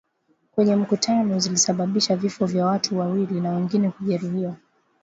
kwenye mkutano zilisababisha vifo vya watu wawili na wengine kujeruhiwa